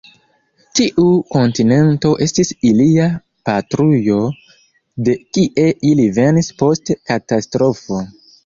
Tiu kontinento estis ilia patrujo, de kie ili venis post katastrofo.